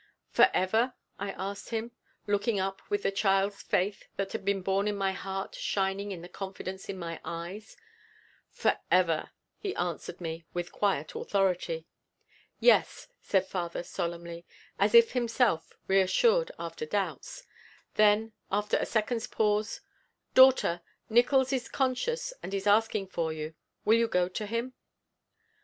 '" "Forever?" I asked him, looking up with the child's faith that had been born in my heart shining in the confidence in my eyes. "Forever," he answered me with quiet authority. "Yes," said father solemnly, as if himself reassured after doubts. Then, after a second's pause: "Daughter, Nickols is conscious and is asking for you. Will you go to him?"